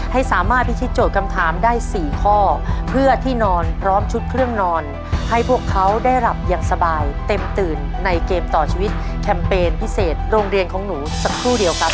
ให้สามารถพิธีโจทย์คำถามได้๔ข้อเพื่อที่นอนพร้อมชุดเครื่องนอนให้พวกเขาได้หลับอย่างสบายเต็มตื่นในเกมต่อชีวิตแคมเปญพิเศษโรงเรียนของหนูสักครู่เดียวครับ